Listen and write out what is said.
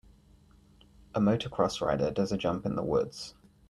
A motocross rider does a jump in the woods.